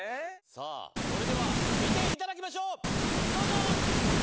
さあそれでは見ていただきましょうどうぞ！